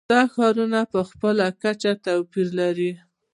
دا ښارونه په خپله کچه توپیرونه لري.